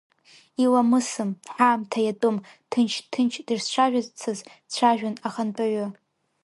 Иламысым, ҳаамҭа иатәым, ҭынч-ҭынч дышцәажәацыз дцәажәон ахантәаҩы.